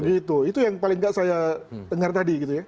itu itu yang paling gak saya dengar tadi gitu ya